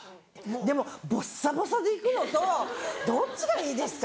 でもボッサボサで行くのとどっちがいいですか？